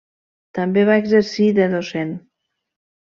També va exercir de docent.